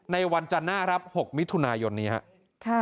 ในวันจันทร์หน้ารับ๖มิถุนายนนี้ครับ